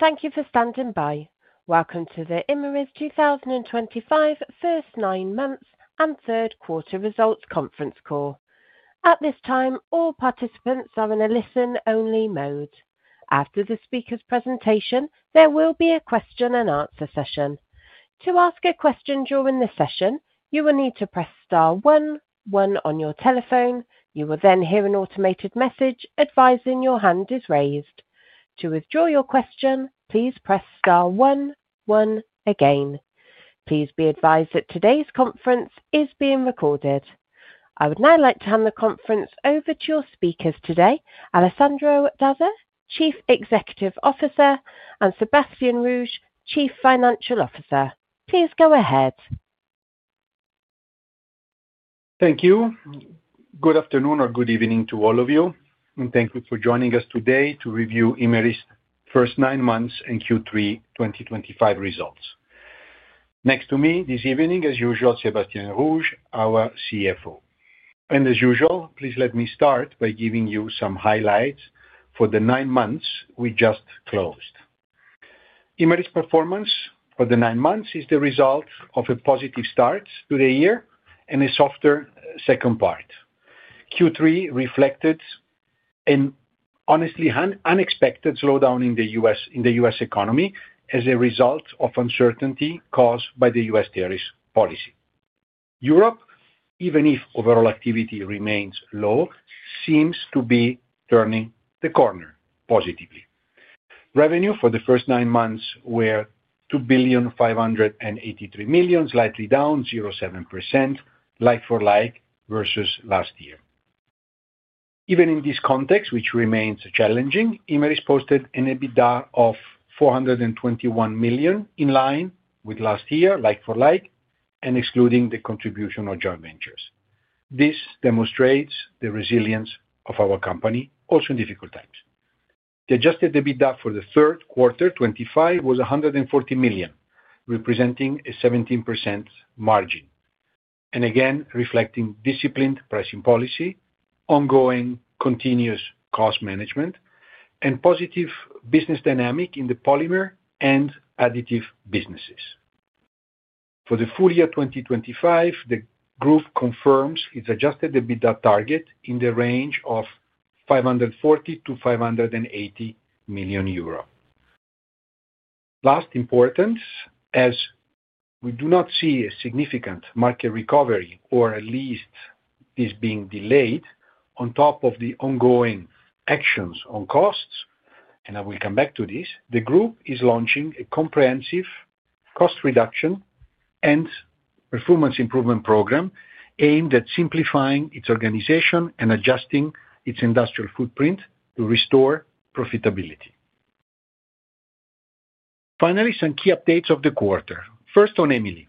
Thank you for standing by. Welcome to the 2025 first nine months and third quarter results conference call. At this time, all participants are in a listen-only mode. After the speaker's presentation, there will be a question-and-answer session. To ask a question during the session, you will need to press star one, one on your telephone. You will then hear an automated message advising your hand is raised. To withdraw your question, please press star one, one again. Please be advised that today's conference is being recorded. I would now like to hand the conference over to your speakers today, Alessandro Dazza, Chief Executive Officer, and Sébastien Rouge, Chief Financial Officer. Please go ahead. Thank you. Good afternoon or good evening to all of you, and thank you for joining us today to review Imerys' first nine months and Q3 2025 results. Next to me this evening, as usual, Sébastien Rouge, our CFO. Please let me start by giving you some highlights for the nine months we just closed. Imerys' performance for the nine months is the result of a positive start to the year and a softer second part. Q3 reflected an honestly unexpected slowdown in the U.S. economy as a result of uncertainty caused by the U.S. tariff policy. Europe, even if overall activity remains low, seems to be turning the corner positively. Revenue for the first nine months were 2,583 million, slightly down, 0.7% like-for-like versus last year. Even in this context, which remains challenging, Imerys posted a net EBIT of 421 million in line with last year, like-for-like, and excluding the contribution of joint ventures. This demonstrates the resilience of our company, also in difficult times. The adjusted EBITDA for the third quarter 2025 was 140 million, representing a 17% margin, reflecting disciplined pricing policy, ongoing continuous cost management, and positive business dynamic in the polymer and additive businesses. For the full year 2025, the group confirms its adjusted EBITDA target in the range of 540-580 million euro. Last importance, as we do not see a significant market recovery, or at least this being delayed, on top of the ongoing actions on costs, and I will come back to this, the group is launching a comprehensive cost reduction and performance improvement program aimed at simplifying its organization and adjusting its industrial footprint to restore profitability. Finally, some key updates of the quarter. First, on EMILI.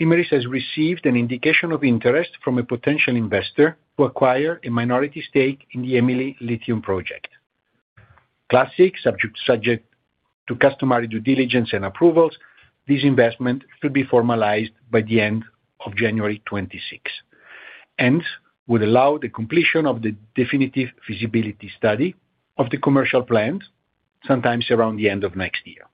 Imerys has received an indication of interest from a potential investor to acquire a minority stake in the EMILI Lithium Project. Classic, subject to customary due diligence and approvals, this investment should be formalized by the end of January 2026 and would allow the completion of the definitive feasibility study of the commercial plant, sometime around the end of next year.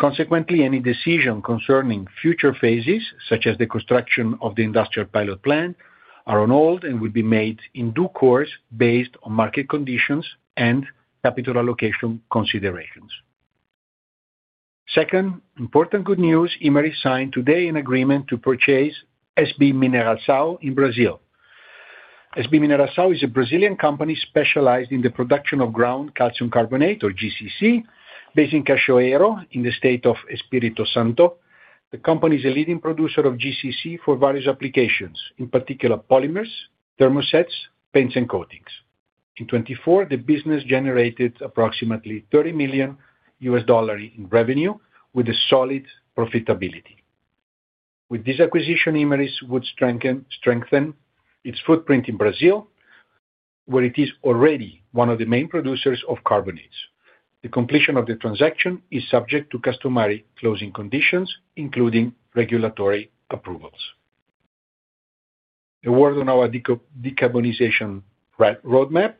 Consequently, any decision concerning future phases, such as the construction of the industrial pilot plant, are on hold and will be made in due course based on market conditions and capital allocation considerations. Second, important good news, Imerys signed today an agreement to purchase SB Mineração in Brazil. SB Mineração is a Brazilian company specialized in the production of Ground Calcium Carbonate, or GCC, based in Cachoeiro in the state of Espírito Santo. The company is a leading producer of GCC for various applications, in particular polymers, thermosets, paints, and coatings. In 2024, the business generated approximately $30 million in revenue with solid profitability. With this acquisition, Imerys would strengthen its footprint in Brazil, where it is already one of the main producers of carbonates. The completion of the transaction is subject to customary closing conditions, including regulatory approvals. A word on our decarbonization roadmap.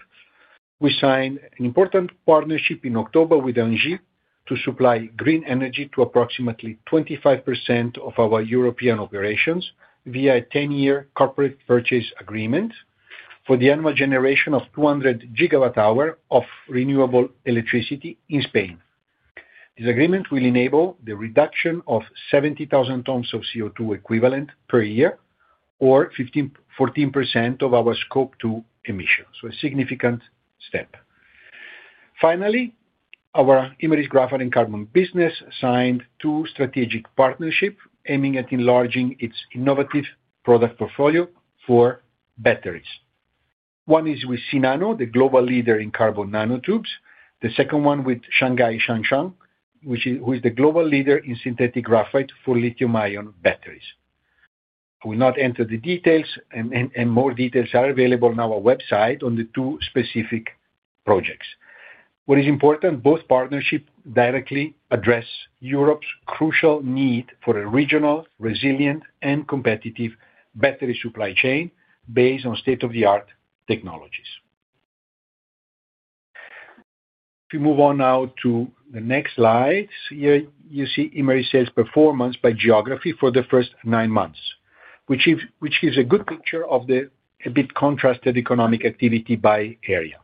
We signed an important partnership in October with ENGIE to supply green energy to approximately 25% of our European operations via a 10-year corporate purchase agreement for the annual generation of 200 GWh of renewable electricity in Spain. This agreement will enable the reduction of 70,000 tons of CO2 equivalent per year, or 14% of our scope 2 emissions. This is a significant step. Finally, our Imerys Graphite & Carbon business signed two strategic partnerships aiming at enlarging its innovative product portfolio for batteries. One is with CNano, the global leader in carbon nanotubes. The second one is with Shanghai Shanshan, who is the global leader in synthetic graphite for lithium-ion batteries. I will not enter the details, and more details are available on our website on the two specific projects. What is important, both partnerships directly address Europe's crucial need for a regional, resilient, and competitive battery supply chain based on state-of-the-art technologies. If we move on now to the next slide, here you see Imerys' sales performance by geography for the first nine months, which gives a good picture of the EBIT contrasted economic activity by area.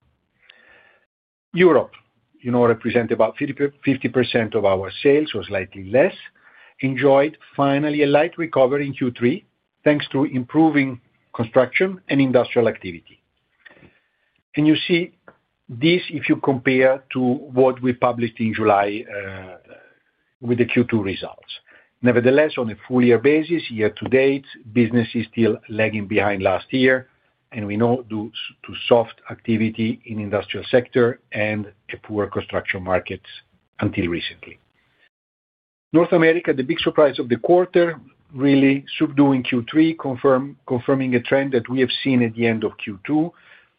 Europe, you know, represents about 50% of our sales, or slightly less, enjoyed finally a light recovery in Q3, thanks to improving construction and industrial activity. You see this if you compare to what we published in July with the Q2 results. Nevertheless, on a full-year basis, year-to-date, business is still lagging behind last year, and we know due to soft activity in the industrial sector and a poor construction market until recently. North America, the big surprise of the quarter, really subduing Q3, confirming a trend that we have seen at the end of Q2,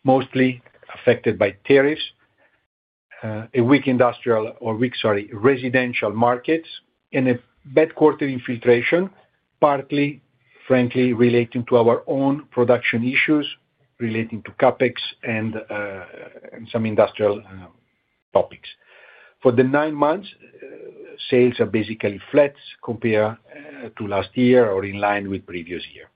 mostly affected by tariffs. Weak industrial or weak, sorry, residential markets, and a bad quarter in filtration, partly, frankly, relating to our own production issues relating to CapEx and some industrial topics. For the nine months, sales are basically flat compared to last year or in line with the previous year.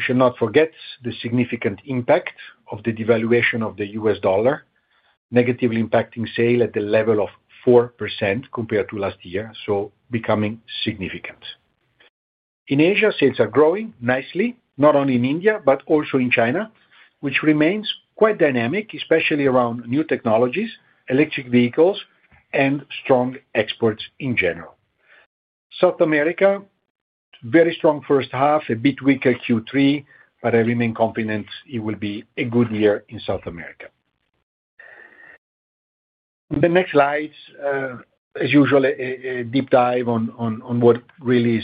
We should not forget the significant impact of the devaluation of the U.S. dollar, negatively impacting sales at the level of 4% compared to last year, so becoming significant. In Asia, sales are growing nicely, not only in India but also in China, which remains quite dynamic, especially around new technologies, electric vehicles, and strong exports in general. South America, very strong first half, a bit weaker Q3, but I remain confident it will be a good year in South America. On the next slide, as usual, a deep dive on what really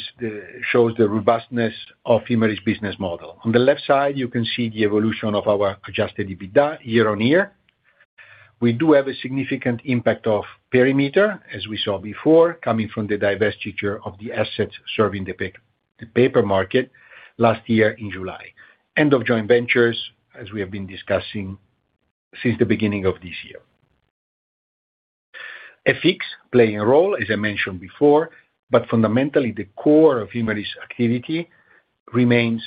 shows the robustness of Imerys' business model. On the left side, you can see the evolution of our adjusted EBITDA year-on-year. We do have a significant impact of perimeter, as we saw before, coming from the divestiture of the assets serving the paper market last year in July. End of joint ventures, as we have been discussing since the beginning of this year. FX playing a role, as I mentioned before, but fundamentally, the core of Imerys' activity remains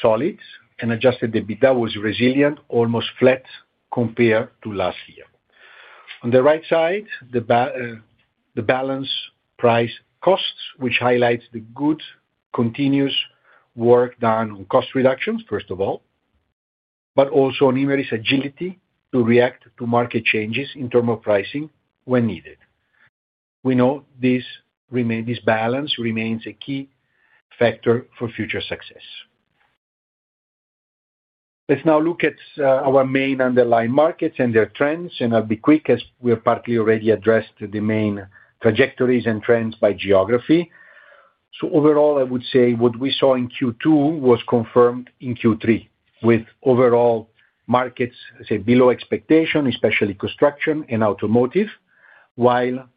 solid, and adjusted EBITDA was resilient, almost flat compared to last year. On the right side, the balance price costs, which highlights the good continuous work done on cost reductions, first of all, but also on Imerys' agility to react to market changes in terms of pricing when needed. We know this balance remains a key factor for future success. Let's now look at our main underlying markets and their trends, and I'll be quick as we have partly already addressed the main trajectories and trends by geography. Overall, I would say what we saw in Q2 was confirmed in Q3, with overall markets, I say, below expectation, especially Construction and Automotive, while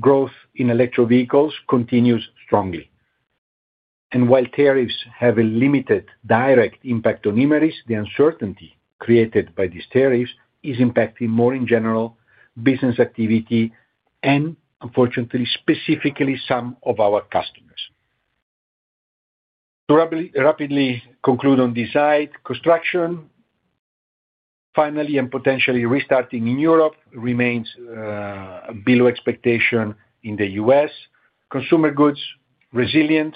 growth in electric vehicles continues strongly. While tariffs have a limited direct impact on Imerys, the uncertainty created by these tariffs is impacting more in general business activity and, unfortunately, specifically some of our customers. To rapidly conclude on this side, construction, finally, and potentially restarting in Europe, remains below expectation in the U.S. Consumer goods resilient,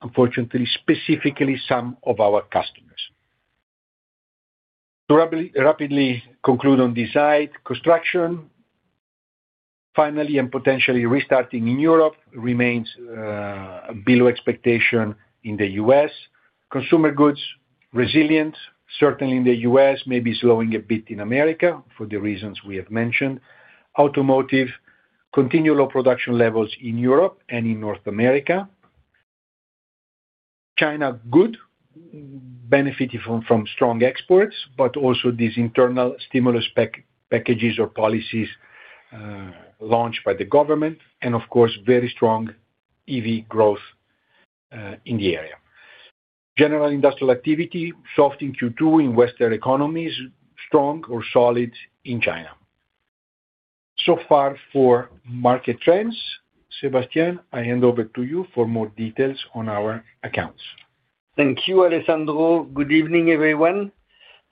certainly in the U.S., may be slowing a bit in America for the reasons we have mentioned. Automotive, continue low production levels in Europe and in North America. China good, benefiting from strong exports, but also these internal stimulus packages or policies launched by the government, and of course, very strong EV growth in the area. General industrial activity soft in Q2 in Western economies, strong or solid in China. So far for market trends, Sébastien, I hand over to you for more details on our accounts. Thank you, Alessandro. Good evening, everyone.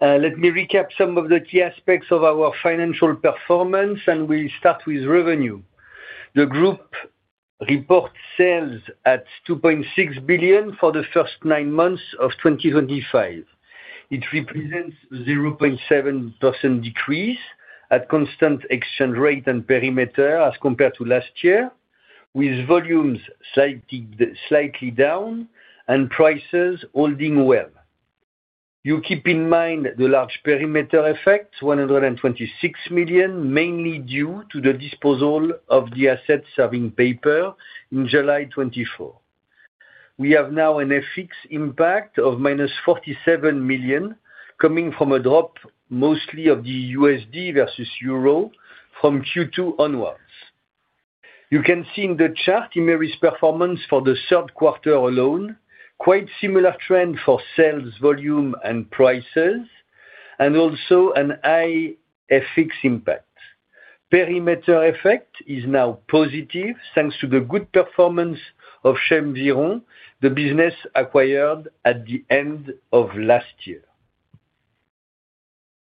Let me recap some of the key aspects of our financial performance, and we'll start with revenue. The group reports sales at 2.6 billion for the first nine months of 2025. It represents a 0.7% decrease at constant exchange rate and perimeter as compared to last year, with volumes slightly down and prices holding well. You keep in mind the large perimeter effect, 126 million, mainly due to the disposal of the assets serving paper in July 2024. We have now an FX impact of -47 million, coming from a drop mostly of the USD versus euro from Q2 onwards. You can see in the chart Imerys' performance for the third quarter alone, quite similar trend for sales volume and prices, and also a high FX impact. Perimeter effect is now positive thanks to the good performance of Chemviron, the business acquired at the end of last year.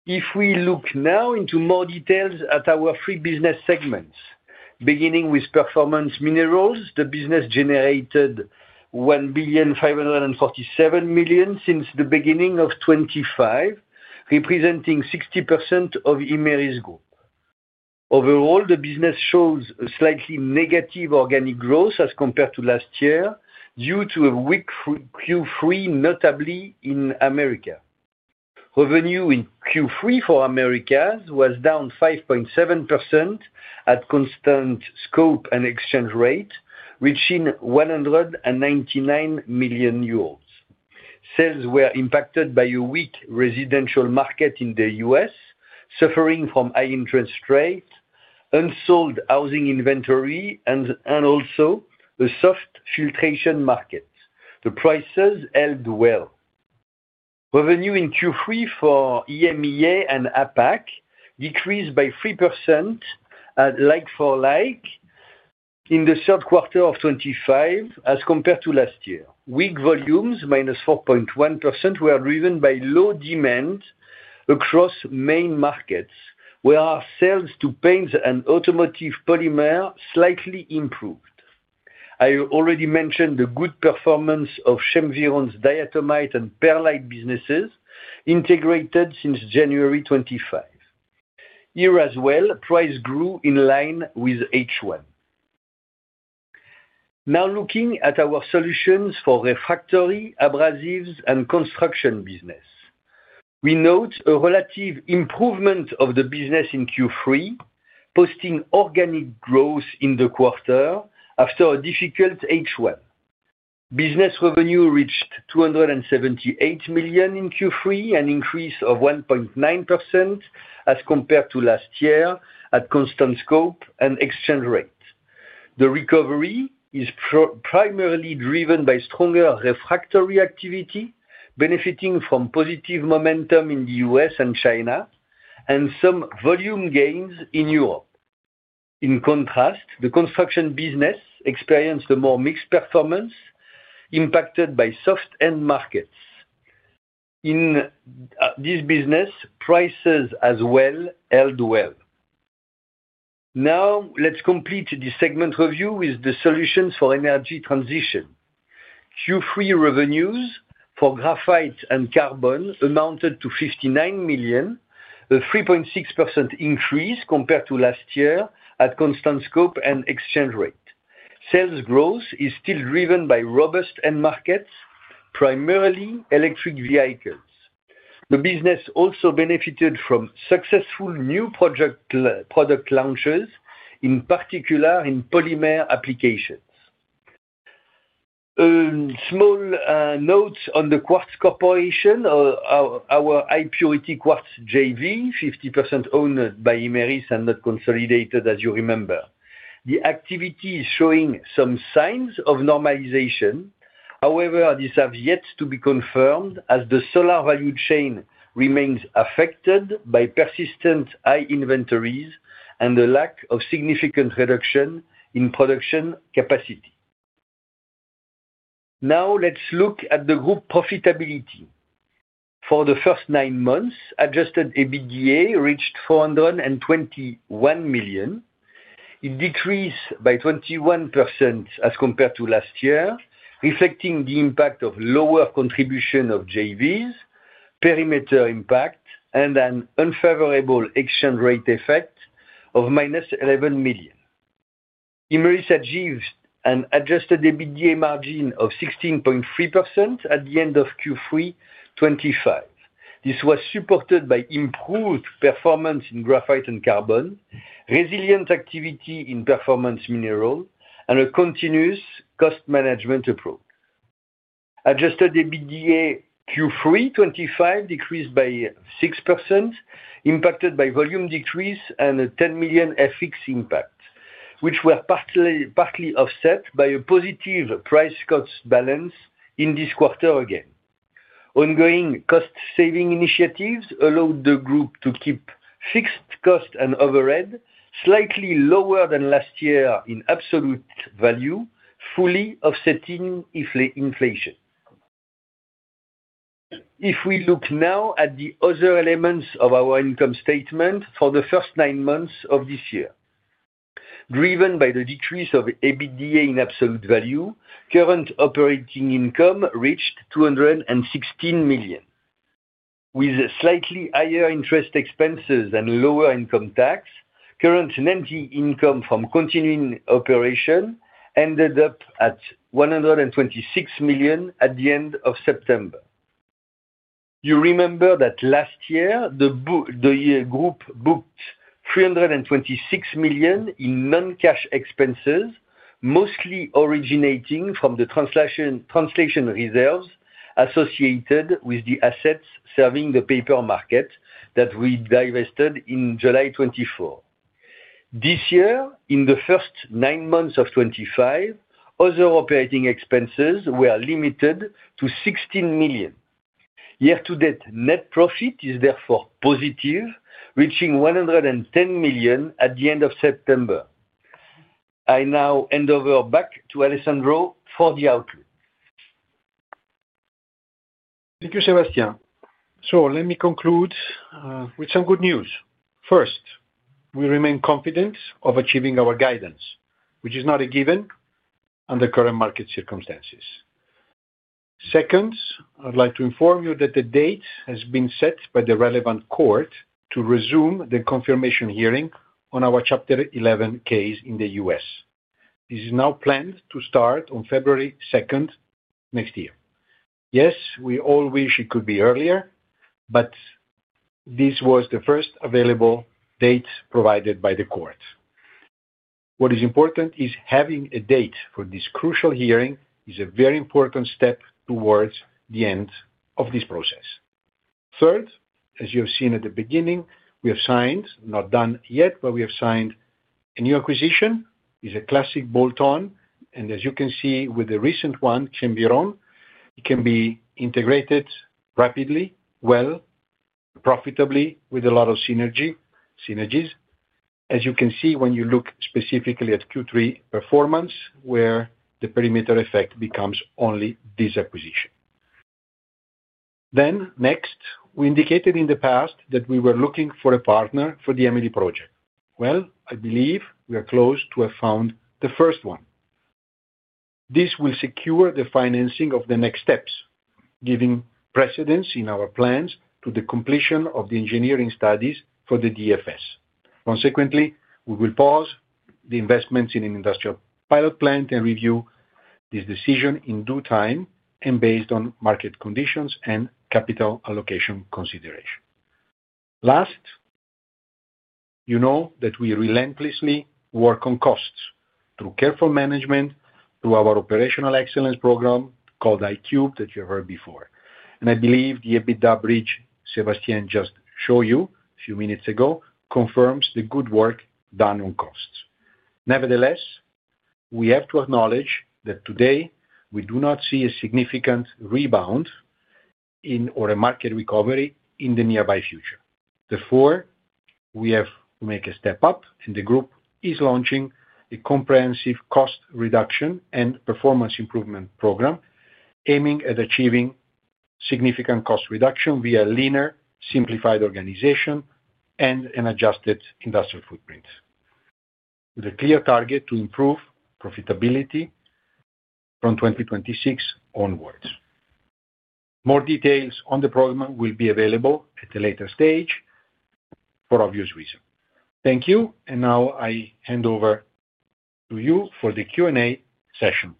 If we look now into more details at our three business segments, beginning with Performance Minerals, the business generated 1,547 million since the beginning of 2025, representing 60% of Imerys' group. Overall, the business shows a slightly negative organic growth as compared to last year due to a weak Q3, notably in America. Revenue in Q3 for Americas was down 5.7% at Constant Scope and Exchange Rate, reaching 199 million euros. Sales were impacted by a weak residential market in the U.S., suffering from high interest rates, unsold housing inventory, and also a soft filtration market. The prices held well. Revenue in Q3 for EMEA and APAC decreased by 3% like-for-like in the third quarter of 2025 as compared to last year. Weak volumes, -4.1%, were driven by low demand across main markets, whereas sales to paints and automotive polymer slightly improved. I already mentioned the good performance of Chemviron's diatomite and perlite businesses integrated since January 2025. Year as well, price grew in line with H1. Now looking at our solutions for Refractory, Abrasives, and Construction business, we note a relative improvement of the business in Q3, posting organic growth in the quarter after a difficult H1. Business revenue reached 278 million in Q3, an increase of 1.9% as compared to last year at Constant Scope and Exchange Rate. The recovery is primarily driven by stronger refractory activity, benefiting from positive momentum in the U.S. and China, and some volume gains in Europe. In contrast, the construction business experienced a more mixed performance impacted by soft end markets. In this business, prices as well held well. Now let's complete this segment review with the solutions for Energy Transition. Q3 revenues for Graphite & Carbon amounted to 59 million, a 3.6% increase compared to last year at Constant Scope and Exchange Rate. Sales growth is still driven by robust end markets, primarily electric vehicles. The business also benefited from successful new product launches, in particular in polymer applications. Small notes on The Quartz Corp. Our high-purity quartz JV, 50% owned by Imerys and not consolidated, as you remember. The activity is showing some signs of normalization. However, these have yet to be confirmed as the solar value chain remains affected by persistent high inventories and the lack of significant reduction in production capacity. Now let's look at the group profitability. For the first nine months, adjusted EBITDA reached 421 million. It decreased by 21% as compared to last year, reflecting the impact of lower contribution of JVs, perimeter impact, and an unfavorable exchange rate effect of -11 million. Imerys achieved an adjusted EBITDA margin of 16.3% at the end of Q3 2025. This was supported by improved performance in Graphite & Carbon, resilient activity in Performance Minerals, and a continuous cost management approach. Adjusted EBITDA Q3 2025 decreased by 6%, impacted by volume decrease and a 10 million FX impact, which were partly offset by a positive price-cost balance in this quarter again. Ongoing cost-saving initiatives allowed the group to keep fixed cost and overhead slightly lower than last year in absolute value, fully offsetting inflation. If we look now at the other elements of our income statement for the first nine months of this year. Driven by the decrease of EBITDA in absolute value, current operating income reached 216 million. With slightly higher interest expenses and lower income tax, current net income from continuing operation ended up at 126 million at the end of September. You remember that last year, the group booked 326 million in non-cash expenses, mostly originating from the translation reserves associated with the assets serving the paper market that we divested in July 2024. This year, in the first nine months of 2025, other operating expenses were limited to 16 million. Year-to-date net profit is therefore positive, reaching 110 million at the end of September. I now hand over back to Alessandro for the outlook. Thank you, Sébastien. Let me conclude with some good news. First, we remain confident of achieving our guidance, which is not a given under current market circumstances. Second, I'd like to inform you that the date has been set by the relevant court to resume the confirmation hearing on our Chapter 11 case in the U.S. This is now planned to start on February 2nd next year. Yes, we all wish it could be earlier, but this was the first available date provided by the court. What is important is having a date for this crucial hearing is a very important step towards the end of this process. Third, as you have seen at the beginning, we have signed, not done yet, but we have signed a new acquisition. It's a classic bolt-on, and as you can see with the recent one, Chemviron, it can be integrated rapidly, well, profitably, with a lot of synergies. As you can see when you look specifically at Q3 performance, where the perimeter effect becomes only this acquisition. Next, we indicated in the past that we were looking for a partner for the M&E project. I believe we are close to have found the first one. This will secure the financing of the next steps, giving precedence in our plans to the completion of the engineering studies for the DFS. Consequently, we will pause the investments in an industrial pilot plant and review this decision in due time and based on market conditions and capital allocation consideration. Last, you know that we relentlessly work on costs through careful management, through our operational excellence program called I-Cube that you heard before. I believe the EBITDA bridge Sébastien just showed you a few minutes ago confirms the good work done on costs. Nevertheless, we have to acknowledge that today we do not see a significant rebound in or a market recovery in the nearby future. Therefore, we have to make a step up, and the group is launching a comprehensive cost reduction and performance improvement program, aiming at achieving significant cost reduction via leaner, simplified organization, and an adjusted industrial footprint, with a clear target to improve profitability from 2026 onwards. More details on the program will be available at a later stage for obvious reasons. Thank you, and now I hand over to you for the Q&A session.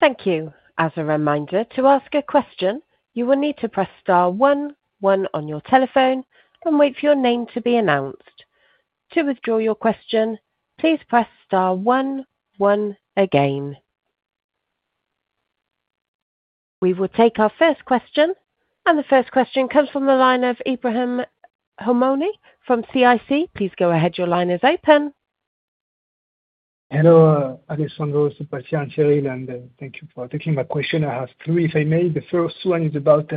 Thank you. As a reminder, to ask a question, you will need to press star one one on your telephone and wait for your name to be announced. To withdraw your question, please press star one one again. We will take our first question, and the first question comes from the line of Ebrahim Homani from CIC. Please go ahead. Your line is open. Hello, Alessandro. Sébastien, and thank you for taking my question. I have three, if I may. The first one is about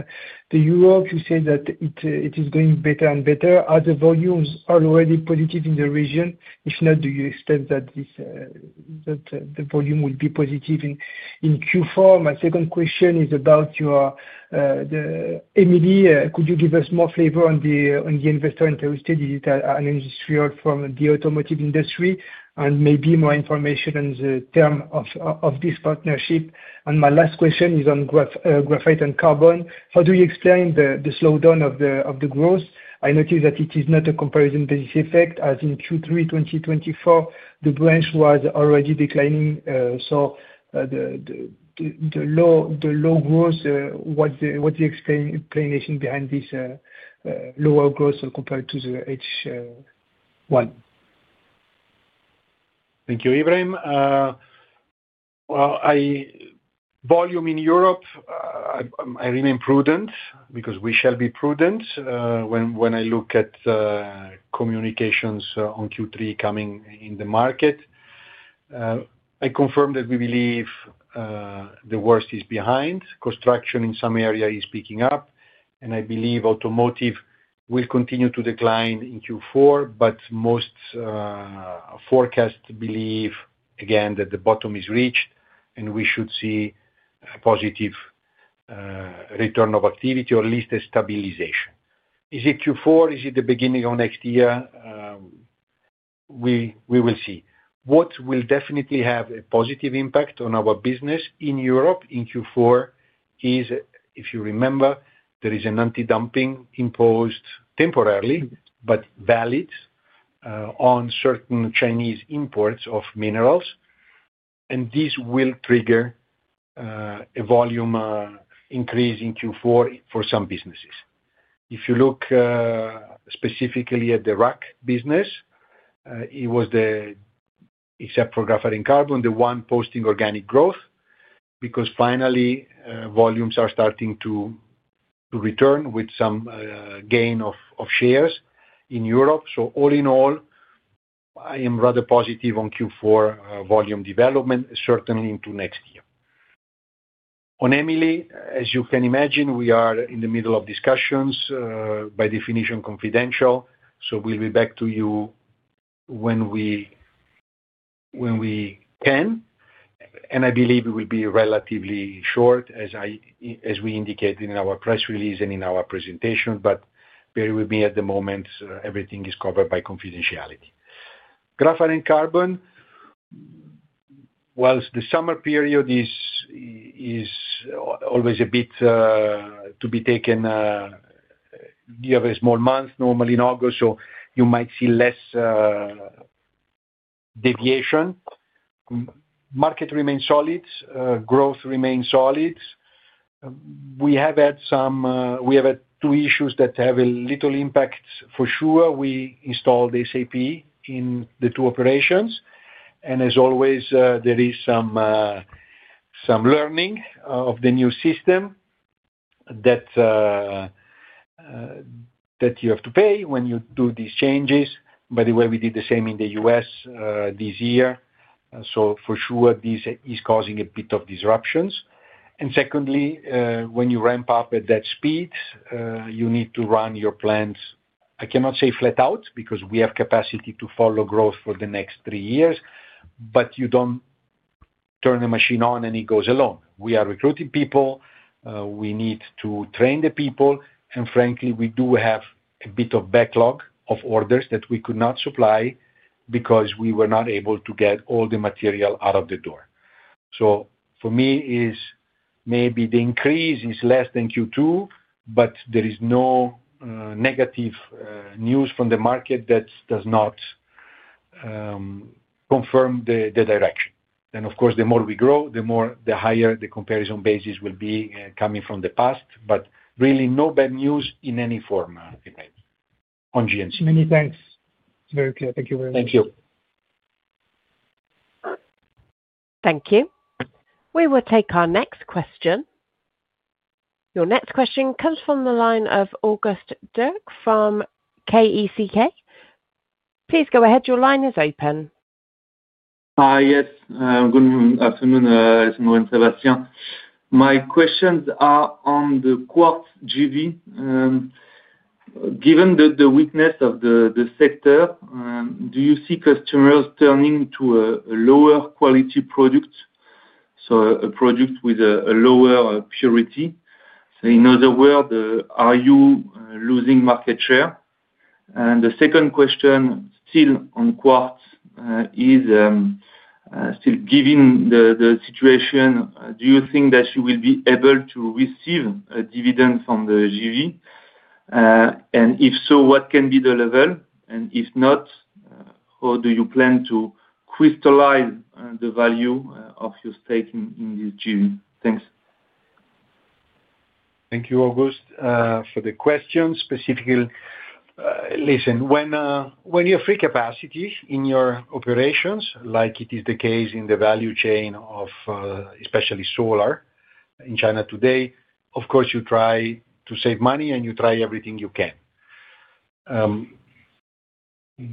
Europe. You said that it is going better and better. Are the volumes already positive in the region? If not, do you expect that the volume will be positive in Q4? My second question is about your EBITDA. Could you give us more flavor on the investor interested? Is it an industrial from the automotive industry? Maybe more information on the term of this partnership? My last question is on Graphite & Carbon. How do you explain the slowdown of the growth? I noticed that it is not a comparison-based effect, as in Q3 2024, the branch was already declining. The low growth, what's the explanation behind this lower growth compared to the H1? Thank you, Ebrahim. Volume in Europe, I remain prudent because we shall be prudent when I look at communications on Q3 coming in the market. I confirm that we believe the worst is behind. Construction in some areas is picking up, and I believe Automotive will continue to decline in Q4, but most forecasts believe, again, that the bottom is reached and we should see a positive return of activity or at least a stabilization. Is it Q4? Is it the beginning of next year? We will see. What will definitely have a positive impact on our business in Europe in Q4 is, if you remember, there is an anti-dumping imposed temporarily but valid on certain Chinese imports of minerals. This will trigger a volume increase in Q4 for some businesses. If you look specifically at the rock business, it was, except for Graphite & Carbon, the one posting organic growth because finally volumes are starting to return with some gain of shares in Europe. All-in-all, I am rather positive on Q4 volume development, certainly into next year. On EMILI, as you can imagine, we are in the middle of discussions, by definition confidential, so we'll be back to you when we can. I believe it will be relatively short, as we indicated in our press release and in our presentation, but bear with me. At the moment, everything is covered by confidentiality. Graphite & Carbon, whilst the summer period is always a bit to be taken, you have a small month normally in August, so you might see less deviation. Market remains solid. Growth remains solid. We have had two issues that have a little impact for sure. We installed SAP in the two operations, and as always, there is some learning of the new system that you have to pay when you do these changes. By the way, we did the same in the U.S. this year, so for sure this is causing a bit of disruptions. Secondly, when you ramp up at that speed, you need to run your plants. I cannot say flat out because we have capacity to follow growth for the next three years, but you don't turn the machine on and it goes alone. We are recruiting people. We need to train the people, and frankly, we do have a bit of backlog of orders that we could not supply because we were not able to get all the material out of the door. For me, maybe the increase is less than Q2, but there is no negative news from the market that does not confirm the direction. Of course, the more we grow, the higher the comparison basis will be coming from the past, but really no bad news in any form on GNC. Many thanks. It's very clear. Thank you very much. Thank you. Thank you. We will take our next question. Your next question comes from the line of Auguste Deryckx from KCx. Please go ahead. Your line is open. Yes. Good afternoon, Alessandro and Sébastien. My questions are on the quartz JV. Given the weakness of the sector, do you see customers turning to a lower quality product, so a product with a lower purity? In other words, are you losing market share? The second question still on quartz is, given the situation, do you think that you will be able to receive a dividend from the JV? If so, what can be the level? If not, how do you plan to crystallize the value of your stake in this JV? Thanks. Thank you, Auguste, for the question. Specifically, listen, when you have free capacity in your operations, like it is the case in the value chain of especially solar in China today, of course, you try to save money and you try everything you can.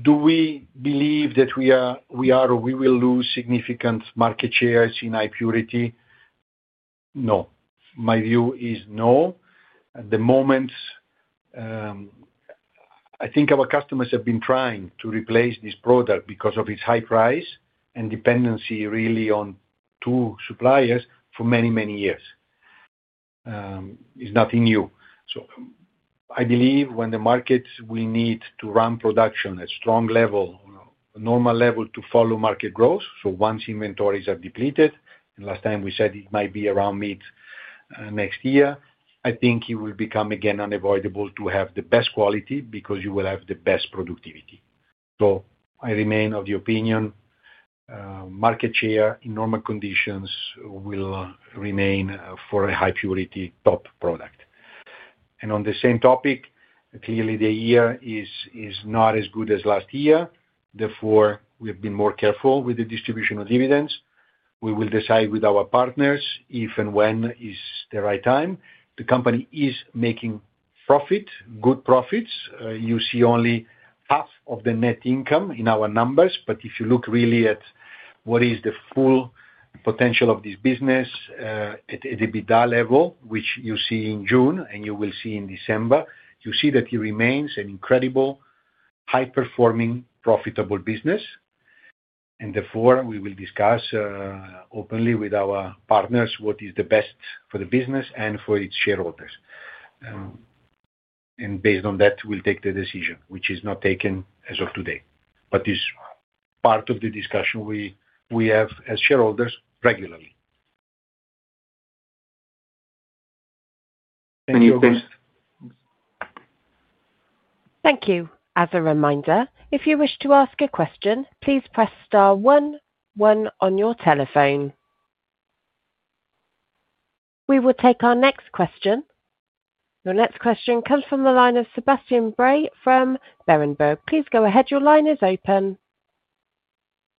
Do we believe that we are or we will lose significant market shares in high purity? No. My view is no. At the moment, I think our customers have been trying to replace this product because of its high price and dependency really on two suppliers for many, many years. It's nothing new. I believe when the markets will need to run production at strong level, normal level to follow market growth, once inventories are depleted, and last time we said it might be around mid next year, I think it will become again unavoidable to have the best quality because you will have the best productivity. I remain of the opinion market share in normal conditions will remain for a high purity top product. On the same topic, clearly the year is not as good as last year. Therefore, we have been more careful with the distribution of dividends. We will decide with our partners if and when is the right time. The company is making profit, good profits. You see only half of the net income in our numbers, but if you look really at what is the full potential of this business at EBITDA level, which you see in June and you will see in December, you see that it remains an incredible, high-performing, profitable business. Therefore, we will discuss openly with our partners what is the best for the business and for its shareholders. Based on that, we'll take the decision, which is not taken as of today, but is part of the discussion we have as shareholders regularly. Thank you, Auguste. Thank you. As a reminder, if you wish to ask a question, please press starone one on your telephone. We will take our next question. Your next question comes from the line of Sebastian Bray from Berenberg. Please go ahead. Your line is open.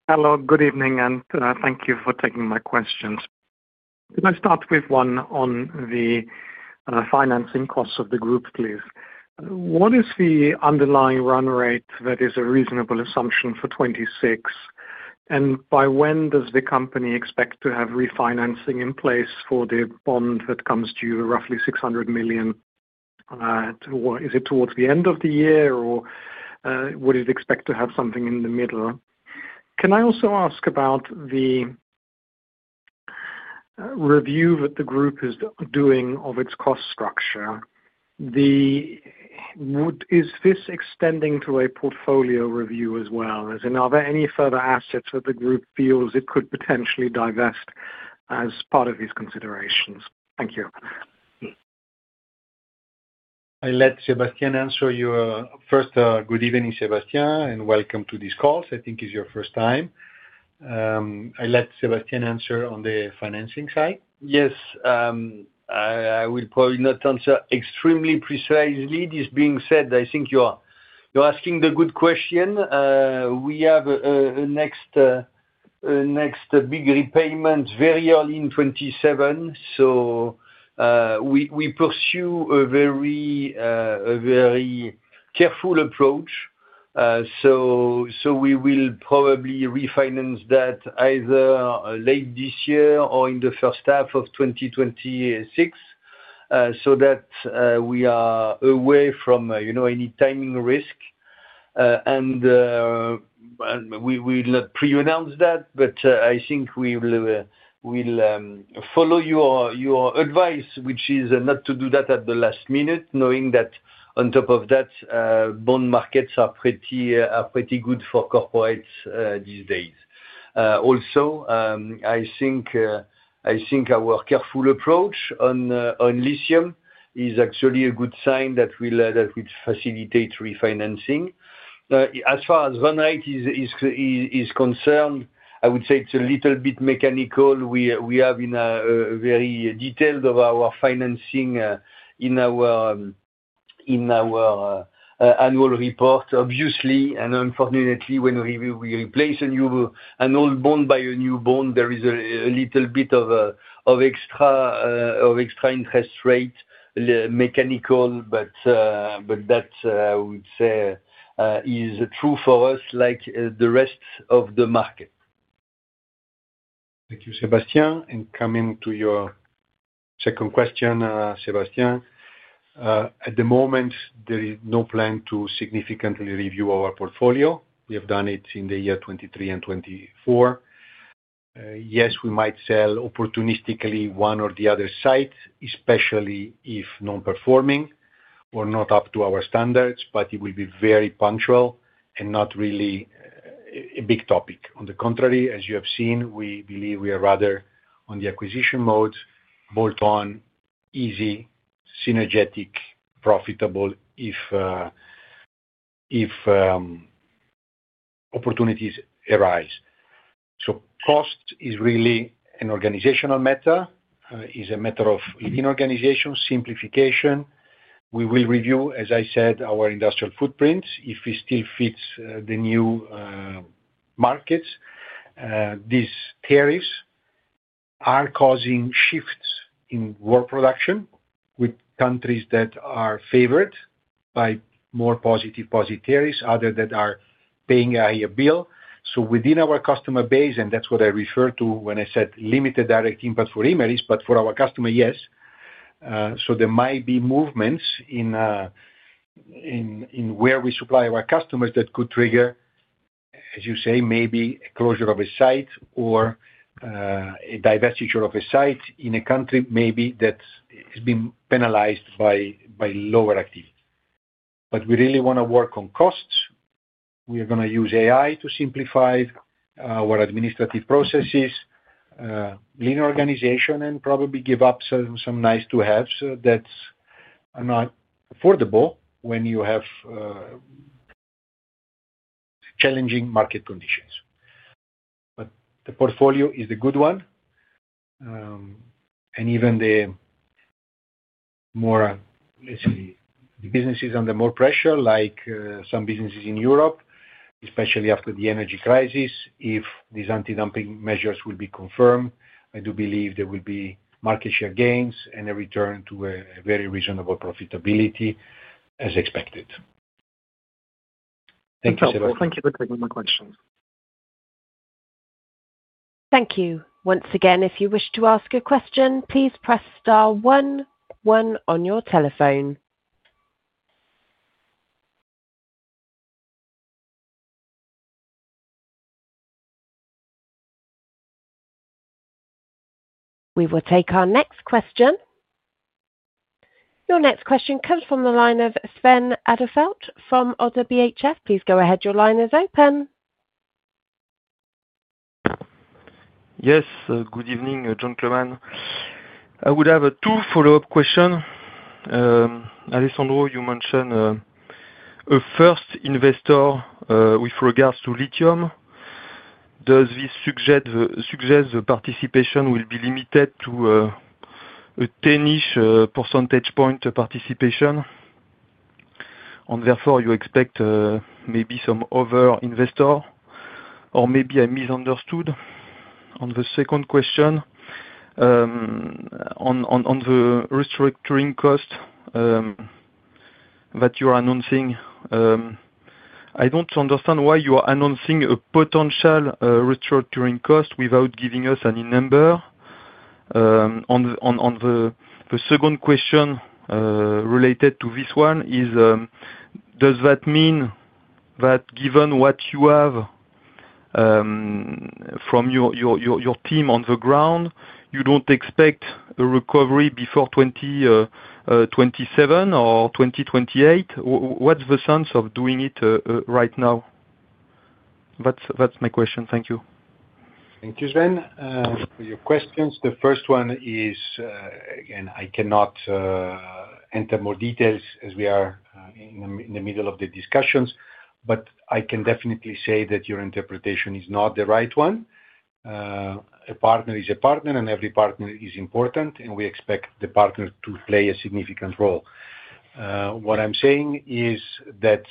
Hello. Good evening, and thank you for taking my questions. Could I start with one on the financing costs of the group, please? What is the underlying run rate that is a reasonable assumption for 2026? By when does the company expect to have refinancing in place for the bond that comes due, roughly 600 million? Is it towards the end of the year, or would it expect to have something in the middle? Can I also ask about the review that the group is doing of its cost structure? Is this extending to a portfolio review as well? Are there any further assets that the group feels it could potentially divest as part of these considerations? Thank you. I'll let Sébastien answer your first. Good evening, Sebastian, and welcome to this call. I think it's your first time. I'll let Sébastien answer on the financing side. Yes. I will probably not answer extremely precisely. This being said, I think you're asking the good question. We have a next big repayment very early in 2027. We pursue a very careful approach. We will probably refinance that either late this year or in the first half of 2026, so that we are away from any timing risk. We will not pre-announce that, but I think we will follow your advice, which is not to do that at the last minute, knowing that on top of that, bond markets are pretty good for corporates these days. Also, I think our careful approach on lithium is actually a good sign that will facilitate refinancing. As far as run rate is concerned, I would say it's a little bit mechanical. We have a very detailed overview of our financing in our Annual Report. Obviously, and unfortunately, when we replace an old bond by a new bond, there is a little bit of extra interest rate, mechanical, but that, I would say, is true for us like the rest of the market. Thank you, Sébastien. Coming to your second question, Sébastien, at the moment, there is no plan to significantly review our portfolio. We have done it in the year 2023 and 2024. Yes, we might sell opportunistically one or the other site, especially if non-performing or not up to our standards, but it will be very punctual and not really a big topic. On the contrary, as you have seen, we believe we are rather on the acquisition mode, bolt-on, easy, synergetic, profitable if opportunities arise. Cost is really an organizational matter, is a matter of organization, simplification. We will review, as I said, our industrial footprint if it still fits the new markets. These tariffs are causing shifts in world production with countries that are favored by more positive tariffs, others that are paying a higher bill. Within our customer base, and that's what I refer to when I said limited direct impact for Imerys, but for our customer, yes. There might be movements in where we supply our customers that could trigger, as you say, maybe a closure of a site or a divestiture of a site in a country maybe that's been penalized by lower activity. We really want to work on costs. We are going to use AI to simplify our administrative processes, lean organization, and probably give up some nice-to-haves that are not affordable when you have challenging market conditions. The portfolio is the good one. Even the more, let's say, businesses under more pressure, like some businesses in Europe, especially after the energy crisis, if these anti-dumping measures will be confirmed, I do believe there will be market share gains and a return to a very reasonable profitability as expected. Thank you for taking my questions. Thank you. Once again, if you wish to ask a question, please press star one one on your telephone. We will take our next question. Your next question comes from the line of Sven Edelfelt from ODDO BHF. Please go ahead. Your line is open. Yes. Good evening, gentlemen. I would have two follow-up questions. Alessandro, you mentioned a first investor with regards to lithium. Does this suggest the participation will be limited to a 10-percentage point participation? Therefore, you expect maybe some other investor, or maybe I misunderstood. On the second question, on the restructuring cost that you are announcing, I don't understand why you are announcing a potential restructuring cost without giving us any number. The second question related to this one is, does that mean that given what you have from your team on the ground, you don't expect a recovery before 2027 or 2028? What's the sense of doing it right now? That's my question. Thank you. Thank you, Sven, for your questions. The first one is, again, I cannot enter more details as we are in the middle of the discussions, but I can definitely say that your interpretation is not the right one. A partner is a partner, and every partner is important, and we expect the partner to play a significant role. What I'm saying is that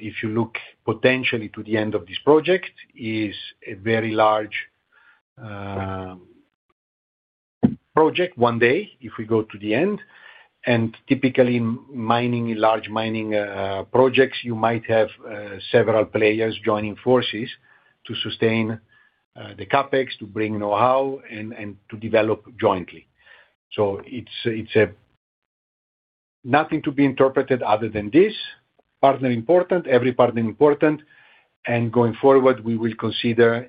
if you look potentially to the end of this project, it is a very large project one day if we go to the end. Typically, in large mining projects, you might have several players joining forces to sustain the CapEx, to bring know-how, and to develop jointly. It is nothing to be interpreted other than this. Partner important, every partner important. Going forward, we will consider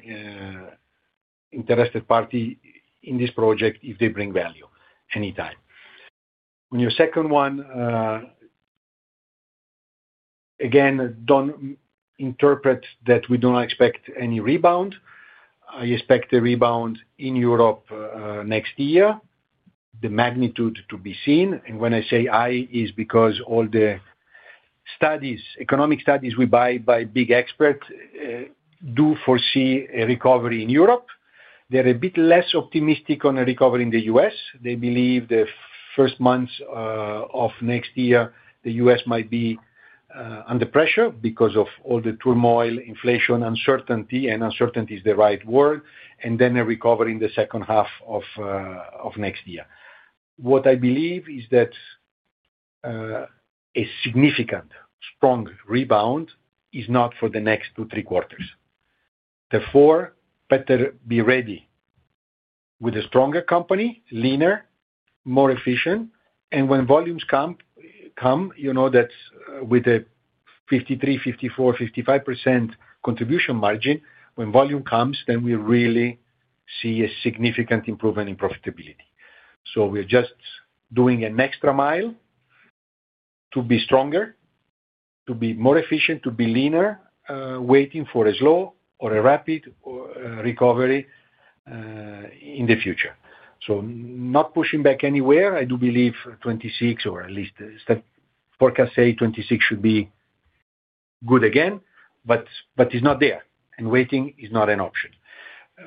interested parties in this project if they bring value anytime. On your second one, again, don't interpret that we don't expect any rebound. I expect a rebound in Europe next year, the magnitude to be seen. When I say I, it's because all the economic studies we buy by big experts do foresee a recovery in Europe. They're a bit less optimistic on a recovery in the U.S. They believe the first months of next year, the U.S. might be under pressure because of all the turmoil, inflation, uncertainty, and uncertainty is the right word, and then a recovery in the second half of next year. What I believe is that a significant, strong rebound is not for the next two, three quarters. Therefore, better be ready with a stronger company, leaner, more efficient. When volumes come, that's with a 53%, 54%, 55% contribution margin. When volume comes, then we really see a significant improvement in profitability. We are just doing an extra mile to be stronger, to be more efficient, to be leaner, waiting for a slow or a rapid recovery in the future. Not pushing back anywhere. I do believe 2026, or at least forecasts say 2026 should be good again, but it's not there, and waiting is not an option.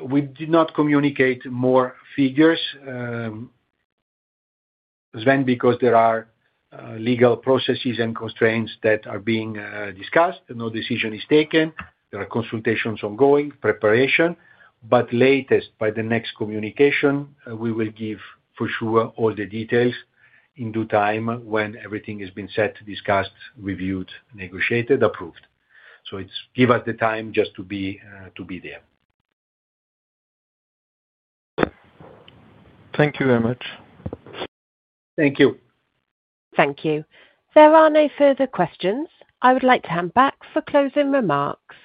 We did not communicate more figures, Sven, because there are legal processes and constraints that are being discussed. No decision is taken. There are consultations ongoing, preparation, but latest by the next communication, we will give for sure all the details in due time when everything has been set, discussed, reviewed, negotiated, approved. Give us the time just to be there. Thank you very much. Thank you. Thank you. There are no further questions. I would like to hand back for closing remarks.